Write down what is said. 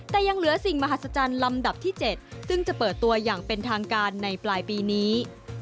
แต่ยังเหลือสิ่งมหัศจรรย์ลำดับที่๗ซึ่งจะเปิดตัวอย่างเป็นทางการในปลายปีนี้